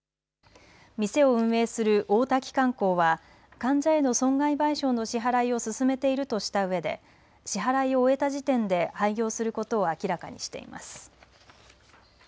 店を運営する大滝観光は患者への損害賠償の支払いを進めているとしたうえで支払いを終えた時点で廃業することを明らかにしています。